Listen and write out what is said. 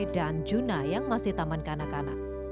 dan juna yang masih tamankan anak anak